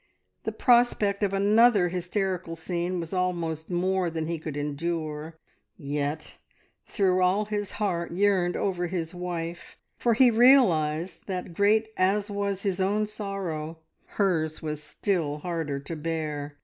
The prospect of another hysterical scene was almost more than he could endure, yet through all his heart yearned over his wife, for he realised that, great as was his own sorrow, hers was still harder to bear.